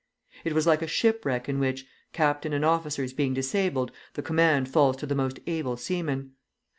It was like a shipwreck in which, captain and officers being disabled, the command falls to the most able seaman.